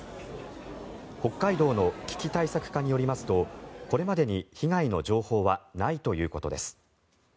北海道の危機対策課によりますとこれまでに被害の情報はないということです。